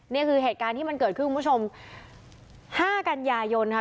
นี่คือเหตุการณ์ที่มันเกิดขึ้นคุณผู้ชมห้ากันยายนค่ะ